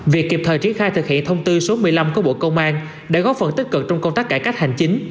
việc kịp thời triển khai thực hiện thông tư số một mươi năm của bộ công an đã góp phần tích cực trong công tác cải cách hành chính